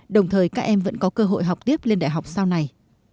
đồng thời các em vẫn có cơ hội học tiếp lên đại học sau này